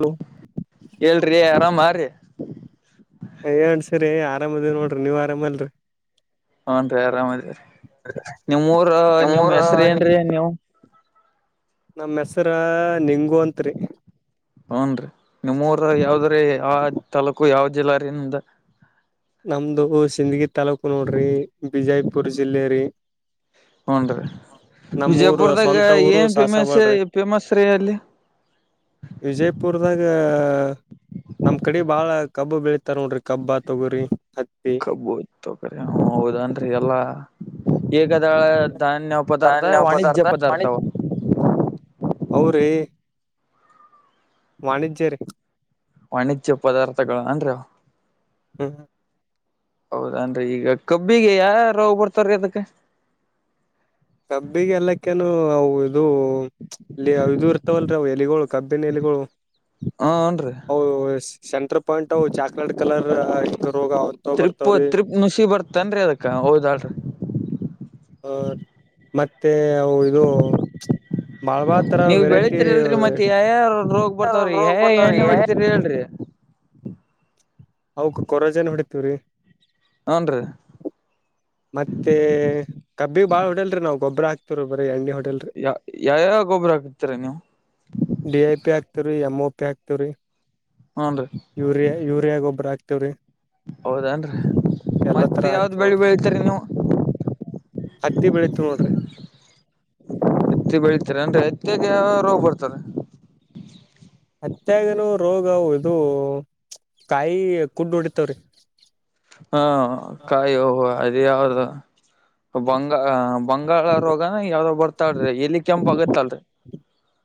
Hello ಹೇಳ್ರಿ ಆರಾಮ ರಿ. ಹೇಳ್ರಿ ಸರ್ ರಿ ಆರಾಮದ ನೋಡ್ರಿ ನೀವ ಆರಾಮಲ್ರರಿ. ಹುನರಿ ಆರಾಮ ಅದೇವರಿ ನಿಮ್ಮ ಊರ ನಿಮ್ ನಿಮ್ಮೂರ ಹೆಸರು ಏನ್ರೀ? ನೀವು ನಮ್ಮ ಹೆಸರ ನಿಂಗು ಅಂತ್ರಿ. ಹುನ ರೀ ನಿಮ್ಮ ಊರ ಯಾವದ್ರ ಯಾವ ತಾಲೂಕು ಯಾವ ಜಿಲ್ಲಾರಿ ನಿಮ್ದ. ನಮ್ದು ಸಿಂದಗಿ ತಾಲೂಕು ನೋಡ್ರಿ ಬಿಜಯಪುರ್ ಜಿಲ್ಲೆ ರೀ. ಹುನ ರೀ ನಮ್ ಊರು ವಿಜಯಪುರದಾಗ ಸ್ವಂತ ಊರು ಏನ್ ಫೇಮಸ್ ಸಾಸಬಾಳ್ರಿ ಫೇಮಸ್ ರೀ ಅಲ್ಲಿ. ವಿಜಯಪುರದಾಗ ನಮ್ ಕಡೆ ಬಾಳ ಕಬ್ಬ ಬೆಳತಾರ ನೋಡ್ರಿ ಕಬ್ಬ ತಗೋರಿ ಹತ್ತಿ ಕಬ್ಬು ತೊಗ್ರಿ ಹೌದೇನ್ರಿ ಎಲ್ಲಾ ಏಕದಾಳ ಧಾನ್ಯ ಪದಾರ್ಥ ಧಾನ್ಯ ವಾಣಿಜ್ಯ ಪದಾರ್ಥ ಪದಾರ್ಥವು. ಅವರಿ. ವಾಣಿಜ್ಯ ರೀ. ವಾಣಿಜ್ಯ ಪದಾರ್ಥಗಳು ಅನ್ರಿ. ಹ್ಮ. ಹೌದನರಿ ಈಗ ಕಬ್ಬಿಗೆ ಯಾವ ಯಾವ್ ರೋಗ ಬರ್ತಾರೀ ಅದಕ್ಕೆ. ಕಬ್ಬಿಗೆ ಎಲ್ಲಕ್ಕನು ಅವು ಇದು ಅಲ್ಲಿ ಇದು ಇರ್ತವಲ್ರವು ಎಲೆಗಳು. ಕಬ್ಬಿನಲಿಗಳು ಹೂನ್ರಿ ಓ ಎಸ್. ಸೆಂಟರ್ ಪಾಯಿಂಟವು ಚಾಕ್ಲೇಟ್ ಕಲರ್ ಇದ ರೋಗಾ. ತಿರ್ಪೆ ತಿರ್ಪೆ ಮುುಸಿ ಬರ್ತನ್ರಿ ಅದಕ್ಕ ಹೌದಳ್ರಿ. ಆ ಮತ್ತೆ ಅವು ಇದು ಬಳಬಾ ತರ ನೀವ್ ವೆರೈಟಿ ಬೆಳಿತಿರಿಲ್ರರಿ ಮತ್ [unintelligible] ಯಾವ್ಯಾವ ರೋಗ್ ಬರ್ತಾವ್ರಿ ರೋಗ ಯಾವ ಬರ್ತವ ರೀ. ಎಣ್ಣೆ ಹೊಡಿತಿರಿ ಹೇಳ್ರಿ. ಆವ್ಕ್ ಕೊರೋಜೇನ್ ಹೊಡಿತೀವರಿ. ಹ್ನ್ ರೀ. ಮತ್ತೆ ಕಬ್ಬಿಗೆ ಬಾಳ್ ಹೋಡೇಲ್ರಿ ನಾವವು ಗೊಬ್ಬರಾ ಹಾಕ್ತವೀ ಬರೀ ಎಣ್ಣೆ ಹೋಡೇಲ್ರಿ. ಯಾ ಯಾವ ಯ ಗೊಬ್ಬರ ಹಾಕತರಿ ನೀವು ಡಿ ಐ ಪಿ ಹಾತವ ರೀ ಎಮ ಓ ಪಿ ಹಾತೀವ್ರೀ ಹ್ನ್ ರೀ ಯೂರಿಯಾ ಯೂರಿಯಾ ಗೊಬ್ಬರ ಹಾಕ್ತೇವ್ರೀ ನ್ರಿ ತರ ಮತ್ತೆ ಯಾವ್ದ್ ಹಾಕ್ತಿವ್ ಬೆಳಿ ನೋಡ್ರಿ ಬೆಳತರಿ ನೀ ಹತ್ತಿ ಬೆಳೀತೀವಿ ನೋಡ್ರಿ ಹತ್ತಿ ಬೆಳೆತೀರಿ ಅಂದ್ರೆ ಹತ್ತಿಗೆ ಯಾವ ರೋಗ್ ಬರ್ತಾರೆ ಅತ್ಯಾಗನ ರೋಗ ಇ ಕಾಯಿ ಕುಡ್ ಹೊಡಿತವ್ರೀ ಹ್ಮ ಕಾಯ ಅದ ಯಾವ್ದ ಬಂಗಾಂಗ ಬಂಗಳ ರೋಗನ ಯಾವ್ದೋ ಬರ್ತಾಡ್ರಿ ಎಲ್ಲಿ ಕೆಂಪ ಆಗತ್ತಲ್ರರಿ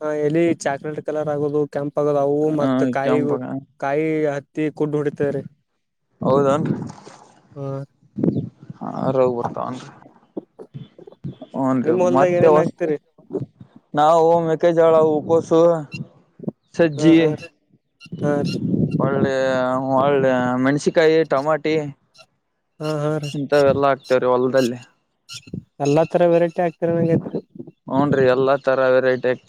ಹ ಎಲ್ಲಿ ಚಾಕ್ಲೇಟ್ ಕಲರ್ ಆಗೋದು ಕೆಂಪ್ ಆಗೋದು ಅವು ಹ ಮತ್ತ ಕಾಯಿ ಕೆಂಪಗ ಕಾಯಿ ಹತ್ತಿ ಕುೂಡ್ ಹೊಡಿತ ರೀ ಹೌದನ್ ಹ ಹಾ ರೋಗ ಬರ್ತಾವನ್ರಿ ಹನ್ರಿ ನಿಮ್ ಹೊಲ್ದಾಗ ಮತ್ತೆ ಏನೇನ್ ಯಾವದ ಹಾಕ್ತಿರಿ ನಾವು ಮೇಕ್ಕೆಜ್ವಳ ಹೂಕೋಸು ಹ ಸಜ್ಜೆ ಹ ಹ ಒಳ್ಳೆ ಒಳ್ಳೆ ಮೆಣಸಕಾಯಿ ಟಮಾಟಿ ಹಾ ಹಾ ರೀ ಇಂಥವೆ ಎಲ್ಲಾ ಆಗ್ತವ್ರೀ ಹೊಲ್ದಲ್ಲಿ ಎಲ್ಲಾ ತರ ವೆರೈಟಿ ಆಗ್ತಿರ ಅನ್ನಗ್ಯತ ಹ್ನ್ ರೀ ಎಲ್ಲಾ ತರ ವೆರೈಟಿ ಆ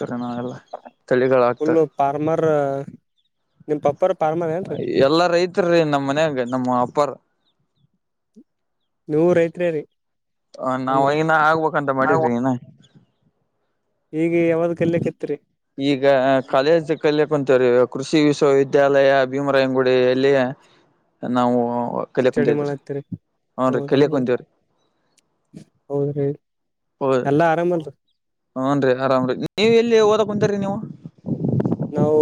ಫುಲ್ಲು ಫಾರ್ಮರ್ ನಿಮ ಪಪ್ಪಾರ ಫಾರ್ಮರ್ ಏನ್ ಎಲ್ಲ ರೈತ ರೈತರು ನಮ್ಮ ಮನ್ಯಾಗ ನಮ್ಮ್ ಅಪ್ಪರ್ ನೀವು ರೈತ್ರಿ ಹ ನಾವವು ಅಂದ್ರ ಐನ ಆಗ್ಬೇಕ ಅಂತ ಮಾಡಿದ್ರಿ ನ ಈಗ ಯಾವ್ದ ಕಲ್ಲಕ್ಕೆತ್ರಿ ಈಗ ಕಾಲೇಜ್ ಕಲ್ಯಕ್ ಅಂತವ್ರೀ ಕೃಷಿ ವಿಶ್ವವಿದ್ಯಾಲಯ ಭೀಮರಾಯಂಗುಡಿ ಎಲ್ಲಿಯ ನಾವು ಸ್ಟಡಿ ಕಲಿಯಕ್ಂತಿದ್ರಿ ಮಾಡತ್ತೀರಿ ಹ್ನ್ ಕಲಿಯಕ್ ಕುಂತೇವ್ರಿ ಹೌದ್ರೀ ಹೌದೀ ಹ್ನ್ ರೀ ಆರಾಮ ರೀ ನೀವು ಎಲ್ಲಿ ಓದ ಕುಂತರಿ ನೀವು ನಾವು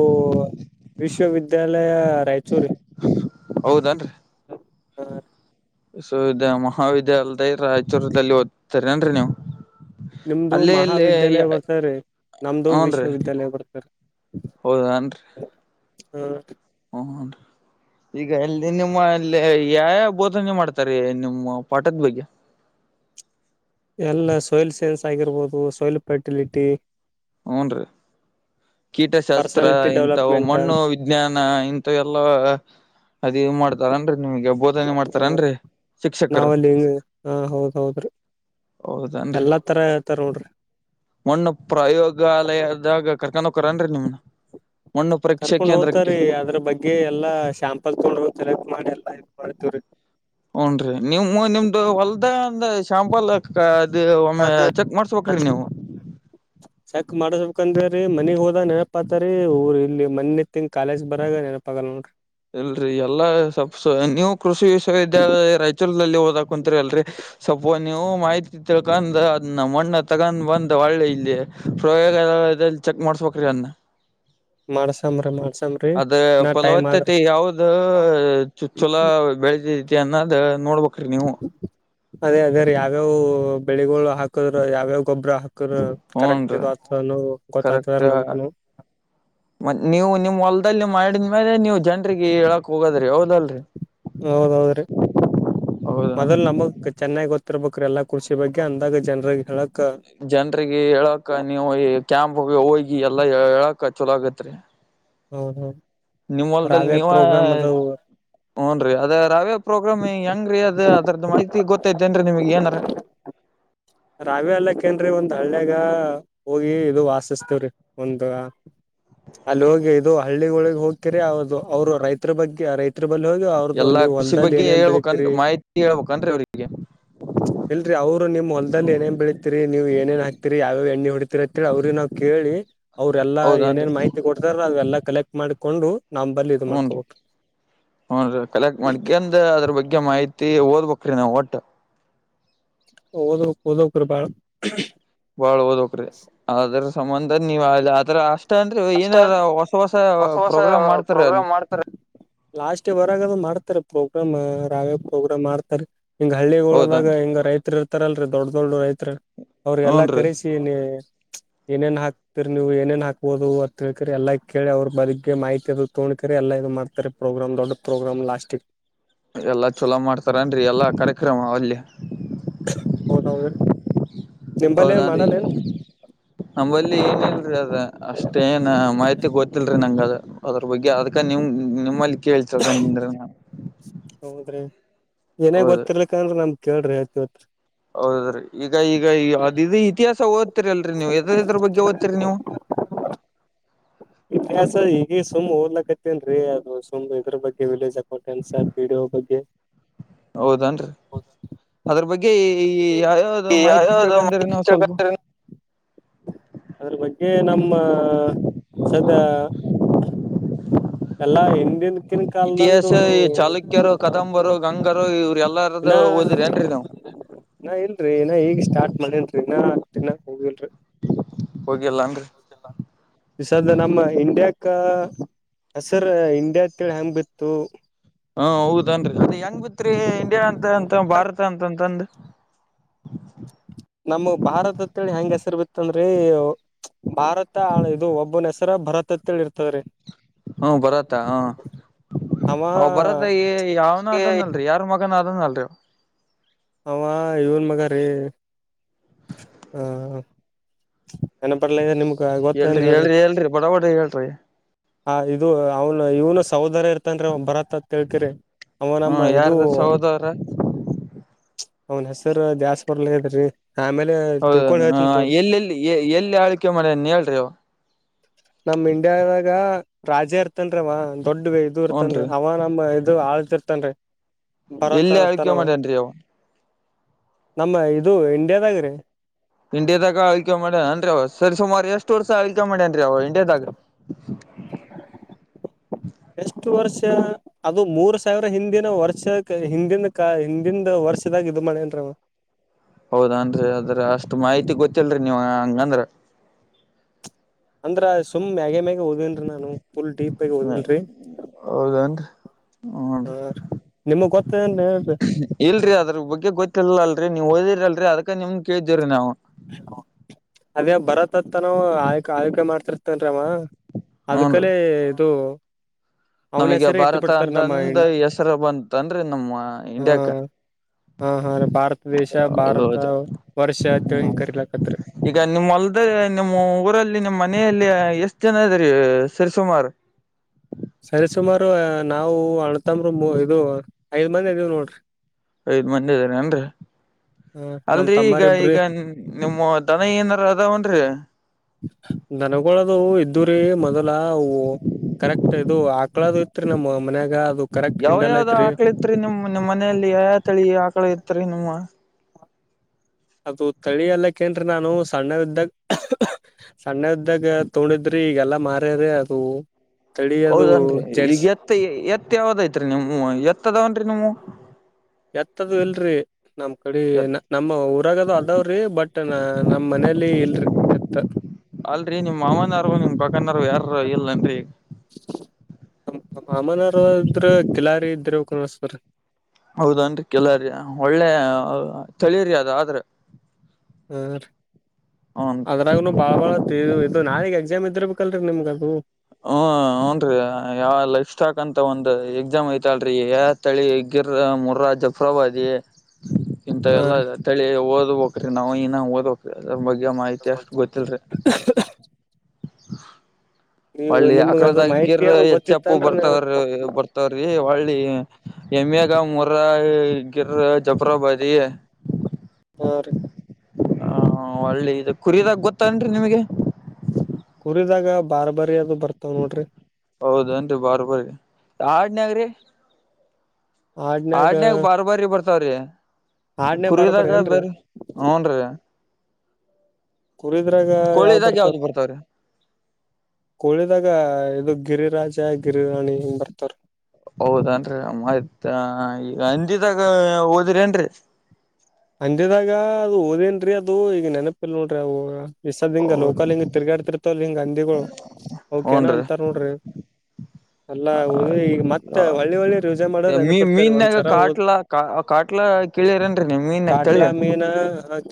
ವಿಶ್ವವಿದ್ಯಾಲಯ ರಾಯಚೂರು ಹೌದನ್ರಿ ಹ ವಿಶ್ವವಿದ್ಯ ಮಹಾವಿದ್ಯಾಲಯದ ರಾಯಚೂರದಲ್ಲಿ ಓದ್ತರನ್ರಿ ನೀವು ನಿಮದು ಅಲ್ಲೇ ಇಲ್ಲಿ ಮಹಾವಿದ್ಯಾಲಯ ಬರ್ತಿದ್ರಿ ನಮದುು ವಿಶ್ವವಿದ್ಯಾಲಯ ಬರ್ತಿದ್ರಿ ಹೌದಾನ್ರಿ ಹ್ಮ ಹನ್ ಈಗ ಎಲ್ಲಿ ನಿಮ್ಮಲ್ಲಿ ಯಾವ ಯಾವ ಬೋಧನೆ ಮಾಡ್ತಾರೆ ನಿಮ್ಮ ಪಾಠದ ಬಗ್ಗೆ ಎಲ್ಲ ಸೋಯಿಲ್ ಸೈನ್ಸ್ ಆಗಿರ್ಬಹದು ಸೋಯಿಲ್ ಫರ್ಟಿಲಿಟಿ ಹ್ನ್ರೀ ಕೀಟಶಾಸ್ತ್ರ ಪರ್ಸನಾಲಿಟಿ ಇಂತವು ಡೆವಲಪ್ಮೆಂಟ್ ಮಣ್ಣು ಜ್ಞಾನ ಇಂತ ಎಲ್ಲ ಅದ ಮಾಡ್ತಾರನ್ ರಿ ನಿಮಗೆ ಹ ನಾವಲ್ಲಿ ಹೆಂಗ ಹಾ ಹೌದ್ ಹೌದ್ರಿ ಹೌದನ್ರಿ ಎಲ್ಲಾ ತರ ತರೊಡ್ರಿ. ಮಣ್ಣು ಪ್ರಯೋಗಾಲಯದಾಗ ಕರ್ಕನ್ ಹೋಕ್ಕರೆನ್ರಿ ನಿಮ್ನ. ಮಣ್ಣು ಪರೀಕ್ಷೆ ಕರ್ಕೊಂಡ್ ಕೇಂದ್ರಕ್ಕೆ ಹೋಗ್ತಾರೀ ಅದ್ರ ಬಗ್ಗೆ ಎಲ್ಲಾ ಶಾಂಪಲ್ ತೊಗೊಂಡ್ ಹೋತರ ಮಾಡಿ ಎಲ್ಲಾ ಇ ಮಾಡ್ತೇವ್ರಿ. ಹುನ್ರೀ ನಿಮ್ಮು ನಿಮ್ದು ಹೊಲ್ದಂದ ಶಾಂಪಲ್ಲ್. ಕಾ ಅದ್ದ್ ಒಮ್ಮೆ ಚೆಕ್ ಮಾಡ್ಸಬೆಕ್ರೀ ನೀವು. [inaudible] ಚಕ್ ಮಾಡಸ್ಬೇಕಂದಿವ್ರಿ ಮನಿಗ್ ಹೋದಾ ನೆನಪತರೀ ಊರ್ ಇಲ್ಲಿ ಮಣ್ಣೆತ್ತಿಂಗ ಕಾಲೆಜ್ ಬರಾಗ ನೆನಪ್ ಪಗಲ್ಕ. ಇಲ್ರಿ ಎಲ್ಲಾ ಸಪ್ಸ ನೀವು ಕೃಷಿ ವಿಶ್ವವಿದ್ಯಾಲಯ ರಾಯಚೂರ್ಲಲ್ಲಿ ಓದಕ್ ಕುಂತ್ರಿ ಅಲ್ರಿ. ಸ್ವಪ್ಪು ನೀವು ಮಾಹಿ ತಿಳ್ಕಂದ್ ಅದ್ನ ಮಣ್ಣ ತಗನ್ ಬಂದ್ ಒಳ್ಳೆ ಇಲ್ಲಿ ಪ್ರಯೋಗಲಯದಲ್ಲಿ ಚೆಕ್ ಮಾಡ್ಸಬಕ್ರಿ ಅದ್ನ. ಮಾಡಸಂಬ್ರಿ ಮಾಡ್ಸಮ್ ಆದ ಫಲವತ್ತತೆ ಯಾವ್ದು ಚು ಚೋಲ ಬೆಳಿತೖ ತಿ ಅನ್ನದ್ ನೋಡ್ಬಕ್ರಿ ನೀವು. ಅದೇ ಅದೇ ರಿ ಯಾವ್ಯಾವ್ ಬೆಳಿಗಳು ಹಾಕದ್ರ ಯಾವ್ಯಾವ ಗೊಬ್ಬರ ಹಾ ಕರ ಕರೆಕ್ಟ್ ಹುನ್ರಿ ಇದತದ ನೊವು ಕರೆಕ್ಟ್ ಗೊತ್ತಾತರ್ ನಮ್ಕುನು. ಮತ್ ನೀವು ನಿಮ್ ಹೊಲ್ದಲ್ಲಿ ಮಾಡಿದ್ಮೇಲೆ ನೀವ್ ಜನ್ರಿಗೆ ಹೇಳಕೊಗೋದ್ರಿ ಹೌದಲ್ರಿ. ಹೌದೌದ್ರೀ ಹೌದ ಮದಲ್ ನಮಗ್ ಕ್ಕ್ ಚೆನ್ನಾಗಿ ಗೊತ್ತಿರ್ಬೇಕ್ರಿ ಎಲ್ಲಾ ಕೃಷಿ ಬಗ್ಗೆ ಅಂದಾಗ ಜನ್ರಿಗಿ ಹೇಳಕ್ಕ. ಜನ್ರಿಗಿ ಹೇಳಕ ನೀವು ಈ ಕ್ಯಾಂಪ್ಗು ಹೋಗಿ ಎಲ್ಲಾ ಹೇಳಕ ಚಲೋ ಆಗತ್ರಿ. ಹೌದೌದ್. ನಿಮ್ಮೋಲ್ದಲ್ಲಿ ನೀವಾ. ಹುನ್ರೀ ಅದ ರಾವೇ ಪ್ರೋಗ್ರಾಮ್ ಹೆಂಗ ರೀ ಅದ ಅದ್ರದ ಮಾಹಿತಿ ಗೊತ್ತೖತೆನ್ರಿ ನಿಮ್ಗ್ ಏನರ. ರಾವ್ಯ ಅಲ್ಲಕ್ಕೇನ್ರಿ ಒಂದ್ ಹಳ್ಳಿಯಾಗ ಹೋಗಿ ಇದು ವಾಸಿಸ್ತೀವ್ರಿ. ಒಂದು. ಅಲ್ಲಿ ಹೋಗಿ ಇದು ಹಳ್ಳಿಗೋಳಿಗ್ ಹೋಕ್ಕಿರಿ ಅವ್ದು ಅವ್ರು ರೈತರ ಬಗ್ಗೆ ರೈ ತ್ರಿ ಬಲ್ಲಿ ಹೋಗಿ ಅವ್ರುದುು ಎಲ್ಲಾ ನೀವ್ ಕೃಷಿ ಹೊಲ್ದಲ್ಲಿ ಬಗ್ಗೆ ಏನೇನ್ ಹೇಳ್ಬೇಕನ್ ಬೆಳಿತ್ರೀ. ಮಾಹಿತಿ ಹೇಳ್ಬೇಕನ್ರಿ ಅವ್ರಿಗೆ ಇಲ್ರಿ ಅವ್ರು ನಿಮ್ ಹೊ ತಲ್ಲಿ ಏನೆನ್ ಬೇಳಿತ್ರೀ ನೀವು ಏನೇನ್ ಹಾಕ್ತಿರಿ ಯಾವೆವ್ ಎಣ್ಣಿ ಹೊಡಿತ್ರಿ ಅತ್ತೇಳಿ ಅವ್ರಿಗ್ ನಾವ್ ಕೇಳೀ. ಅವ್ರೆಲ್ಲಾ ಹೌದನ್ರಿ ಏನೇನ್ ಮಾಹಿತಿ ಕೊಡ್ತಾರಲ ಅವೆಲ್ಲಾ ಕಲೆಕ್ಟ್ ಮಾಡಿಕೊಂಡು ನಂಬಲ್ಲಿ. ಹುನ್ರೀ ಹುನ್ರೀ ಕಲೆಕ್ಟ್ ಮಾಡ್ಕೇನ್ ತ ಅದ್ರ ಬಗ್ಗೆ ಮಾಹಿತಿ ಓದ್ಬಕ್ರೀ ನಾವು ಒಟ್ಟ. ಓದ್ಬಕ್ ಓದ್ಬಕ್ರಿ ಬಾಳ. ಬಾಳ್ ಒದ್ಬೇಕ್ರಿ ಅದ್ರ ಸಂಬಂಧ ನೀವ್ ಆದ್ ಆದ್ರ ಅ ಸ್ಟ ಅಂದ್ರೆ ಅಷ್ಟ ಏನಾರ ಹೊಸ ಹೊಸ ಪ್ರೋಗ್ರಾಮ್ ಮಾಡ್ತಾರ ಪ್ರೋಗ್ರಾಮ್ ಲಾಸ್ಟ್ ಬರಾಗದ ಮಾಡ್ತಾರಿ ಪೊಕಮ್ಮ ರಾವೇ ಪ್ರೋಗ್ರಾಮ್ ಮಾಡ್ತಾರಿ. ಹಿಂಗ ಹೌದಾ ಹಳ್ಳಿಗೊಳದಾಗ ಹಿಂಗ ರೈತ್ರು ಇರ್ತಾರಲ್ರೀ ದೊಡ್ಡ ದೊಡ್ಡ ರೈತ್ರ್ ಅವ್ರರಿಗೆಲ್ಲಾ ಹೂನ್ರಿ ಕಲಿಸಿ ತಿನಿ ಏನೇನ್ ಹಾಕ್ತಿರಿ ನೀವು ಏನೇನ್ ಹಾಕ್ಬೋದು. ತಿಳ್ಕರಿ ಎಲ್ಲ ಕೇಳಿ ಅವ್ರ ಬದುಗ್ಗೆ ಮಾಹತಿ ಅದು ತೋಣ್ಕರಿ ಎಲ್ಲ ಇದು ಮಾಡ್ತಾರೆ ಪ್ರೋಗ್ರಾಮ್ ದೊಡ್ಡ ಪ್ರೋಗ್ರಾಮ್ ಲಾಸ್ಟಿ ಎಲ್ಲಾ ಚೊಲೋ ಮಾಡ್ತಾರೆನ್ರಿ ಎಲ್ಲಾ ಕಾರ್ಯಕ್ರಮ ಅಲ್ಲಿ. ಹೌದೌದ್ರಿ ನಿಂಬಲ್ಲಿ ಏನ್ ಹೌದನ್ರಿ ಮಾಡಲ್ಯೆನ್. ನಂಬಲ್ಲಿ ಏನ ಇಲ್ರಿ ಅದ ಅಷ್ಟೇ ಏನ ಮಾಹಿತಿ ಗೊತ್ತಿಲ್ರಿ ನಂಗದ. ಅದ್ರ ಬಗ್ಗೆ ಅದಕ ನಿಮ ನಿಮ್ಮಲ್ಲಿ ಕೇಳಿತಿಳ್ಕಂದ್ರಿ ನಾ. ಹೌದ್ರಿ ಏನ ಹೌದು ಗೊತ್ತಿರ್ಲಿಕ್ಕ ಅಂದ್ರ ನಮ್ ಕೇಳ್ರಿ ಏಳ್ತೀವಿ. ಹೌದ್ರೀ ಈಗ ಈಗ ಈ ಅದಿದಿ ಇತಿಹಾಸ ಓತ್ತಿರಿ ಅಲ್ರಿ ನೀವು ಎದ್ರೆದ್ರ ಬಗ್ಗೆ ಓತ್ತಿರಿ ನೀವು. ಹ [unintelligible] ಇತಿಹಾಸ ಹೀಗೆ ಸುಮ್ ಓದಲಕತ್ತೇನ್ರೀ ಅದು ಸುಮ್ ಇದ್ರ ಬಗ್ಗೆ ವಿಲೇಜ್ ಆಕೌಂಟ್ ಕೆಲಸ ಪಿ ಡಿ ಒ ಬಗ್ಗೆ. ಹೌದನ್ರಿ ಅದ್ರ ಬಗ್ಗೆ ಈ ಯಾವ್ಯಾವ್ದೊ ಮಾಹಿತಿ ಯಾವ್ಯಾವ್ದ ತಿಳ್ಕೊಂಡರೆ ಮಾಹಿತಿ ನೀವು ಸ್ವಲ್ಪು. ತಿಳ್ಕತ್ತೀರಿ ಅದ್ರ ಬಗ್ಗೆ ನಮ್ಮ ಸದ್ಯ ಎಲ್ಲಾ ಹಿಂದನ್ ದಕ್ಕಿನ ಇತಿಹಾಸ ಕಾಲದಂದು ಚಾಲುಕ್ಯರು ಕದಂಬರು ಗಂಗರು ಇವ್ರ ಇನ್ನ ಎಲ್ಲಾರ್ದು ಓದಿರಿ ಏನ್ರಿ ನೀವು ನಾ ಇಲ್ರಿ ಇನ ಈಗ್ ಸ್ಟಾರ್ಟ್ ಮಾಡೇನ್ರಿ ಇನ್ನ ತಿನಾಕ್ ಹೋಗಿಲ್ರಿ. ಹೋಗಿಲ್ಲಾನ್ರಿ ಈ ಸದ್ದ ನಮ್ಮ ಇಂಡಿಯಾಕ್ಕ ಹೆಸರ್ ಇಂಡಿಯಾ ಅಂತೇಳಿ ಹೆಂಗ ಬಿತ್ತು. ಹಾ ಹೌದನ್ರಿ ಅದ ಹೆಂಗ್ ಬಿತ್ರಿ ಇಂಡಿಯಾ ಅಂತ ಅಂತ ಭಾರತ ಅಂತಂತಂದು. ನಮ್ಮ ಭಾರತ ಅತೇಳಿ ಹೆಂಗ ಹೆಸರ್ ಬಿತ್ತಂದ್ರೂ ಭಾರತ ಇದು ಒಬ್ಬನ ಹೆಸರ ಭರತ ಅತ್ಹೇಳಿ ಇರ್ತದ್ರೀ. ಹ್ಮ ಭರತ ಹಾ. ಅವ ಅವ್ ಭರತ ಏ ಯಾವ್ನು ಅದನ್ ಅಲ್ರಿ ಯಾರ ಮಗನ ಅದನ್ ಅಲ್ರಿವ. ಹ ಇವನ್ ಮಗ ರೀ ಹಾ. ನೆನ ಬರ್ಲಗ್ಯದ ನಿಮ್ಗ ಗೊತ್ತದೆನ್ ಹೇಳ್ರಿ. ಆ ಇದು ಅವನು ಇವನು ಸಹೋದರ ಇರ್ತನ್ ರೀ ಅವ ಬರತ್ತ್ ಅತ್ಕೇಳ್ಕರಿ ಹ್ಮ ಅವನಮ್ಮ ಇದು [unintelligible] ಅವನ್ ಹೆಸರು ದ್ಯಾಸ್ಪರ್ಲಗೆದ್ರೀ ಆಮೇಲೆ ತಿಳ್ಕೊಂಡ್ ಹೇಳ್ತಿನ್ ತೋರಿ. ಎ ಎಲ್ಲಿ ಆಳ್ವಿಕೆ ಮಾಡೆನ್ ಹೇಳ್ರಿ ಅವ. ನಮ್ ಇಂಡಿಯಾದಾಗ ರಾಜ ಇರ್ತನ್ರಿ ಅವ ದೊಡ್ಡ ಇದು ಇರ್ತನ್ರಿ ಹನ್ರಿ ಅವ ನಮ್ಮ ಅದು ಆಳ್ತಿರ್ತನ್ರಿ ಬರತ್ ಎಲ್ಲಿ ಆಳ್ಕೆ ಅತನವ. ಮಾಡ್ಯನ್ರಿ ಅವ ನಮ್ಮ ಇದು ಇಂಡಿಯಾದಾಗ ರೀ. ಇಂಡಿಯಾದಾಗ ಆಳ್ಕೆ ಮಾಡ ಅನ್ರಿ ಅವ ಸರಿ ಸುಮಾರು ಎಷ್ಟು ವರ್ಷ ಆಳ್ಕೆ ಮಾಡಿನ್ರಿ ಅವ ಇಂಡಿಯಾದಾಗ. ಎಷ್ಟು ವರ್ಷ. ಅದು ಮೂರ್ ಸಾವಿರ ಹಿಂದಿನ ವರ್ಷಕ ಹಿಂದಿನ ಕ ಹಿಂದಿಂದ ವರ್ಷದಾಗ ಇದು ಮಾಡೇನ್ರವ. ಹೌದಾನ್ರಿ ಅದ್ರ ಅಷ್ಟ್ ಮಾಹಿತಿ ಗೊತ್ತಿಲ್ರಿ ನೀವ್ ಹಂಗಂದ್ರ. ಅಂದ್ರ ಸುಮ್ ಮ್ಯಾಗ ಮ್ಯಾಗ ಓದೇನ್ರಿ ನಾನು ಫುಲ್ ಡೀಪ್ ಆಗಿ ಓದಿಲ್ರೀ. ಹೌದನ್ರಿ ಹಾ ಹ್ನ್ರಿ ರ ನಿಮಗ್ ಗೊತ್ತದ ಏನ್ ಹೇಳಿ. ಇಲ್ರಿ ಅದ್ರ ಬಗ್ಗೆ ಗೊತ್ತಿಲ್ಲಲ್ರಿ ನೀವ್ ಓದಿರಿಲ್ರಿ ಅದಕ ನಿಮಗೆ ಕೇಳಿದ್ದೇವಿರೀ ನಾವು. ಅದೇ ಬರತ ಅತ್ತನಾವ ಆಳಿಕ ಆಳಿಕೆ ಮಾಡ್ತಿರ್ತನ್ರವಾ. ಹೂನ್ ರೀ ಅದಕಲೆ ಇದು ಅವನ ನಮಗೆ ಹೆಸರೇ ಇಟ್ಟು ಭಾರತ ಬಿಡ್ತಾರ ನಮ್ಮ ಅಂತಂದ ಹೆಸರು ಬಂತಂದ್ರಿ ನಮ್ಮ ಇಂಡಿಯಾಕ. ಹ ಹಾ ಭಾರತ ದೇಶ ಭಾರತ ಹೌದೌದು ವರ್ಷ ಅತ್ಹೇಳಿ ಹ್ಮ್ ಹಿಂಗ ಕರಿಲಕತ್ರ. ಈಗ ನಿಮ್ಮ ಹೊಲ್ದ ನಿಮ್ಮ್ ಊರಲ್ಲಿ ನಿಮ್ಮ್ ಮನೆಯಲ್ಲಿ ಎಷ್ಟ್ ಜನ ಇದ್ರರಿ ಸರಿಸುಮಾರ್. ಸರಿ ಸುಮಾರು ನಾವು ಅಣತಂಬರು ಇದು ಐದ್ ಮಂದಿ ಅದೀವ್ ನೋಡ್ರಿ. ಐದ್ ಮಂದ ಅದ್ದಿರೆನ್ರಿ ಹ ನಮ್ ಅಲ್ರೀ ಈಗ ತಮ್ಮರಿಬ್ರಿ ಈಗ ನಿಮ್ಮುವ ದನ ಏನಾರ ಅದಾವನ್ರಿ. ದನಗಳದು ಇದ್ದೂರಿ ಮೊದಲ ಅವು ಕರೆಕ್ಟ್ ಇದು ಆಕಳಾದು ಇತ್ರಿ ನಮ್ಮ ಮನ್ಯಾಗ ಅದು ಕರೆಕ್ಟ್ ಯಾವ ಹಿಂಡಲ್ ಯಾವ್ದ ಐತ್ರಿ ಆಕ್ಳಿತ್ರಿ ನಿಮ್ ನಿಮ್ಮ್ ಮನೆಯಲ್ಲಿ ಯಯಾ ತಳಿ ಆಕಳ ಇತ್ರಿ ನಿಮ್ಮ ಅದು ತಳಿ ಎಲ್ಲಕ್ಕನ್ರಿ ನಾನು ಸಣ್ಣವಿದ್ದಾಗ ಸಣ್ಣೆವಿದ್ದಾಗ ತೋಂಡಿದ್ರಿ ಈಗೆಲ್ಲಾ ಮಾರ್ಯಾರ ಅದು ತಳಿ ಅದು ಹೌದನ್ರೀ ಈಗ ಜರ್ಸಿ ಎತ್ತ ಎತ್ತ ಯಾವದ ಐತ್ರಿ ನಿವು ಎತ್ತದಾವನ್ರಿ ನಿಮ್ದು ಎತ್ತದು ಇಲ್ರಿ ನಮ್ ಕಡೆ ನಮ್ಮ ಊ ಹೊರಾಗದು ಅದಾವ್ರಿ ಬಟ್ ನಮ್ಮ್ ಮನೇಲಿ ಇಲ್ರಿ ಎತ್ ಅಲ್ರರಿ ನಿಮ್ ಮಾವನಾರರು ನಿಮ್ ಪಕ್ಕನಾರರು ಯಾರ ಇಲ್ಲೆನ್ರಿ ನಮ್ ಮಾಮನವರು ಇದ್ರ ಕಿಲಾರಿ ಇದ್ರ ಕನಸ್ವರ್ ಹೌದನ್ರೀ ಕಿಲಾರಿ ಒಳ್ಳೆ ತಳಿರಿ ಅದ ಆದ್ರೆ ಹ ಹನ್ ಅದ್ರಾಗನು ಭಾಳ ಬಾಳ ಇದು ಇದು ನಾಳಿಗ್ ಎಕ್ಸಾಮ್ ಇದ್ದಿರಬೇಕಲ್ರಿ ನಿಮ್ಗ ಅದು ಹ್ಮ್ ಹೂನ್ರಿ ಯಾವ ಲೈಫ ಸ್ಟಾಕ್ ಅಂತ ಒಂದು ಎಕ್ಸಾಮ್ ಐತಲ್ರೀ ತಳಿ ಗಿರ ಮುರ್ರಾ ಜಪುವಾದಿ [inaudible] ಇಂಥ ಎಲ್ಲ ತಳಿ ಓದ್ಬೇಕರಿ ನಾವು ಇನ ಓದಬೇಕ್ ಅದ್ರ ಬಗ್ಗೆ ಮಾಹಿತಿ ಅಷ್ಟು ಗೊತ್ತಿಲಾರಿ ಹ ನೀವು ಒಳ್ಳಿ ನಿಮ್ಗ ಅದು ಮಾಹಿತಿ ಆಕಳದಗಿರ ಅದು ಹೆಚ್ಚ ಅಪ್ಪು ಗೊತ್ತಿತ್ತನ್ರಿ ಬರ್ತವ್ರ ಬರ್ ತವ್ರಿ ಒಳ್ಳಿ ಹೆಮ್ಯಾಗ ಮುರ ಗಿರ ಜಬ್ರಾಬದಿ ಹ ಹಾ ಒಳ್ಳೆ ಇದು ಕುರಿದಾಗ ಗೊತ್ತೇನ್ರಿ ನಿಮ್ಗೆ ಕುರಿದಾಗ ಬಾರ್ ಬಾರಿ ಅದು ಬರ್ತಾವ್ ನೋಡ್ರಿ ಹೌದೇನ್ರಿ ಬರ್ ಬರಿ ಆಡ್ನಗ್ರಿ ಆಡ್ನ್ಯಾಗ ಆಡ್ನಯಾಗ ಬಾರ್ ಬಾರಿ ಬರ್ತಾವ್ರೀ ಆಡ್ನೇ ಬಾರ್ಬರಿ ಕುರಿದಾಗ ಏನ್ರಿ ಬೇರ್ ಹ್ನ್ ರೀ ಕುರಿದ್ರಾಗ ಯಾವ್ ಕೋಳಿದಾಗ ಬರ್ತಾರ ಯಾವ್ದು ಬರ್ತಾವ್ರಿ ಕೋಳಿದಾಗ ಇದು ಗಿರಿರಾಜ ಗಿರಿರಾಣಿ ಹಿಂಗ್ ಬರ್ತಾರ ಹೌದನ್ರರಿ ಮತ್ತ್ ಈಗ ಹಂದಿದಾಗ ಒಡಿರೆನ್ರಿ ಹಂದಿದಾಗ ಅದು ಓದೇನ್ರೀ ಅದು ಈಗ ನೆನಪಿಲ್ ನೋಡ್ರಿ ಅವಾಗ ಬಿಸಾದ್ ಹಿಂಗ ಹೌದ ಲೋಕಲ್ ಹಿಂಗ ತಿರ್ಗಾಡ್ತಿರ್ತವಲ್ ಹಿಂಗ ಹಂದಿಗಳು ಅವ್ಕೇನ ಹೂನ್ರಿ ಅಂತಾರ ನೋಡ್ರಿ ಅಲ್ಲಾ ಹೌದು ಈಗ ಮತ್ತೆ ಹಳ್ಳಿ ಒಳ್ಳಿ ರೋಜೆ ಮಾಡೋ್ರ ನನ್ಪಿಡ್ತಾರ ಒಂದ್ಸರ ಹದ್ ಕಟ್ಲ ಕೇಳಿರೇನ್ರಿ ನಿಮಗ ಕಾಟ್ಲಾ ಮೀನ್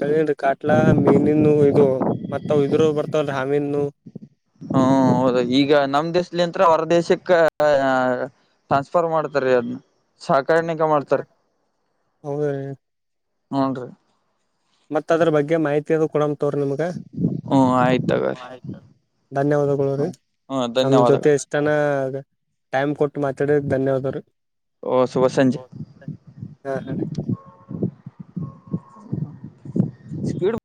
ಕೆಳನ್ರಿ ಕಾಟ್ಲಾ ಮೀ ಮೀನನ್ನು ಇದು ಮತ್ತಾವು ಇದ್ರಾವ್ ಬರ್ತಾವಲ್ಲ ಆ ಮಿನ್ನು ಹ್ಮ ಹೌದು ಈಗ ನಮ್ ದೇಶಲಿ ಅಂತ್ರ ಹೊರ ದೇಶಕ್ಕ ಟ್ರಾನ್ಸ್ಫರ್ ಮಾಡ ಅದ್ನ್ನ ಸಕಣಿಕ ಮಾಡ್ತರಿ ಹೌದ್ರಿ ಹ್ನ್ರಿ ಮತ್ತ ಅದ್ರ ಬಗ್ಗೆ ಮಾಹಿತಿ ಅದು ಕೊಡಂತವ್ರ ನಿಮ್ಗ ಹ್ಮ್ ಆಯ್ತ್ ತಗೋರಿ ಧನ್ಯವಾದಗಳು ರೀ ಹ್ಮ ನಮ ಜೊತೆ ಧನ್ಯವಾದಗಳು ಎಷ್ಟ ಚ ಟೈಮ್ ಕೊಟ್ಟು ಮಾತಾಡಿದ್ಕೆ ಧನ್ಯವಾದಗಳು ಓ ಶುಭ ಸಂಜೆ ಹಾ ಹಾ ಸ್ಪೀಡ್